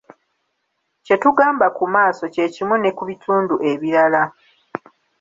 Kye tugamba ku maaso kye kimu ne ku bitundu ebirala.